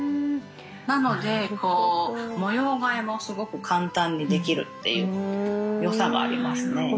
なので模様替えもすごく簡単にできるっていうよさがありますね。